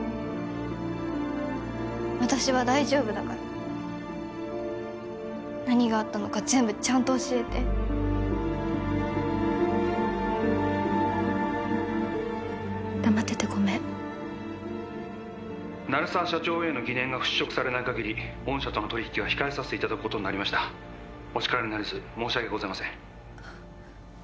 私は大丈夫だから何があったのか全部ちゃんと教えて黙っててごめん鳴沢社長への疑念が払拭されないかぎり御社との取引は控えさせていただくことになりましたお力になれず申し訳ございません